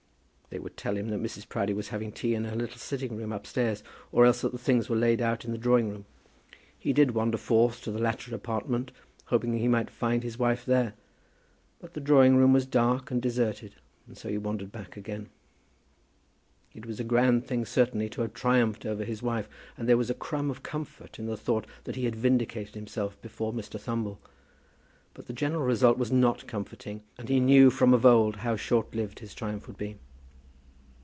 They would tell him that Mrs. Proudie was having tea in her little sitting room upstairs, or else that the things were laid in the drawing room. He did wander forth to the latter apartment, hoping that he might find his wife there; but the drawing room was dark and deserted, and so he wandered back again. It was a grand thing certainly to have triumphed over his wife, and there was a crumb of comfort in the thought that he had vindicated himself before Mr. Thumble; but the general result was not comforting, and he knew from of old how short lived his triumph would be.